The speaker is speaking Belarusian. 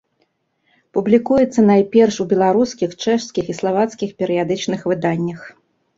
Публікуецца найперш у беларускіх, чэшскіх і славацкіх перыядычных выданнях.